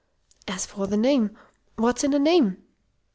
As for the name what's in a name?